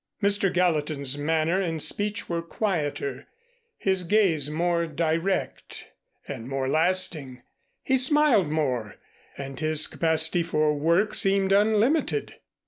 Mr. Gallatin's manner and speech were quieter, his gaze more direct and more lasting. He smiled more, and his capacity for work seemed unlimited.